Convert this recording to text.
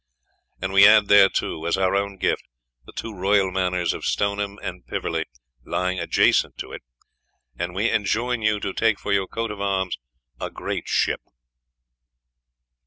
And we add thereto, as our own gift, the two royal manors of Stoneham and Piverley lying adjacent to it, and we enjoin you to take for your coat of arms a great ship.